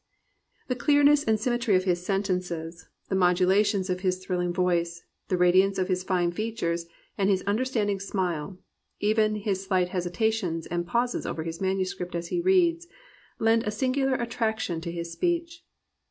The clearness and symmetry of his sentences, the modulations of his thrilling voice, the radiance of his fine features and his understanding smile, even his slight hesitations and pauses over his manuscript as he read, lent a singular attraction to his speech.